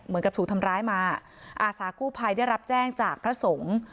เหมือนกับถูกทำร้ายมาอาศากคู่ภัยได้รับแจ้งจากพระสงค์